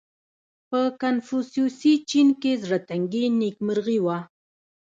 • په کنفوسیوسي چین کې زړهتنګي نېکمرغي وه.